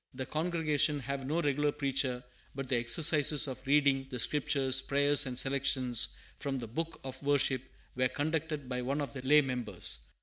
The congregation have no regular preacher, but the exercises of reading the Scriptures, prayers, and selections from the Book of Worship were conducted by one of the lay members.